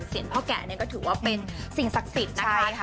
พ่อแกะเนี่ยก็ถือว่าเป็นสิ่งศักดิ์สิทธิ์นะคะ